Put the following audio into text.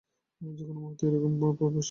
যেকোন মুহুর্তে সে এই রুমে প্রবেশ করবে।